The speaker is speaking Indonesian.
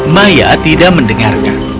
maya tidak mendengarkan